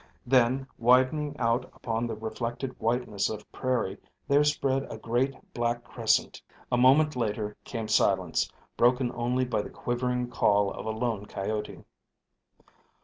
Then, widening out upon the reflected whiteness of prairie, there spread a great black crescent. A moment later came silence, broken only by the quivering call of a lone coyote.